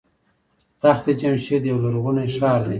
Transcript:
تخت جمشید یو لرغونی ښار دی.